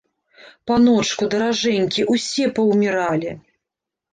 Паночку, даражэнькі, усе паўміралі!